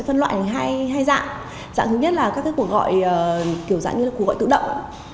khi mà nhận điện thoại thì tôi sẽ phân loại hai dạng dạng thứ nhất là các cuộc gọi kiểu dạng như là cuộc gọi tự động